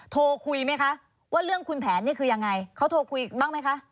โทรคุยไหมคะว่าเรื่องคุณแผนนี่คือยังไงเขาโทรคุยบ้างไหมคะ